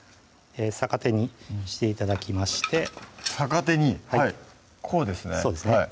逆手にして頂きまして逆手にはいこうですねそうですね